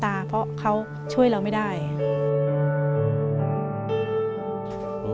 เปลี่ยนเพลงเพลงเก่งของคุณและข้ามผิดได้๑คำ